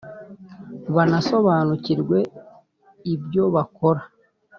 Banasobanukirwe ibyobakora .